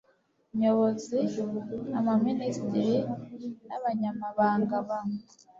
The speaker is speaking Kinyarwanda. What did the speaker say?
nyobozi amaminisitiri n abanyamabanga ba